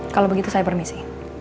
kalau begitu saya permisi